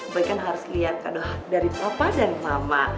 boy kan harus liat kado dari papa dan mama